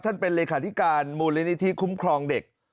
เป็นเลขาธิการมูลนิธิคุ้มครองเด็ก